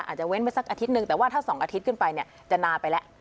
เว้นไปสักอาทิตย์หนึ่งแต่ว่าถ้า๒อาทิตย์ขึ้นไปเนี่ยจะนานไปแล้ว